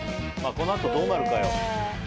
この後どうなるかよ。